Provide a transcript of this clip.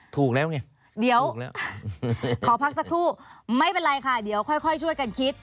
ถูกแล้วไงเดี๋ยวขอพักสักครู่ไม่เป็นไรค่ะเดี๋ยวค่อยช่วยกันคิด